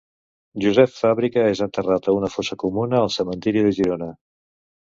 Josep Fàbrega és enterrat a una fosa comuna al cementiri de Girona.